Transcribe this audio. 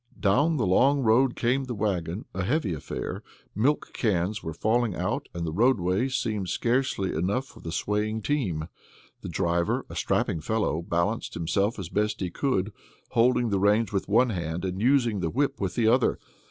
Down the long road came the wagon a heavy affair. Milk cans were falling out and the roadway seemed scarcely enough for the swaying team. The driver, a strapping fellow, balanced himself as best he could, holding the reins with one hand and using the whip with the other.